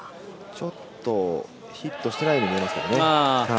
ちょっとヒットしてないように見えますね。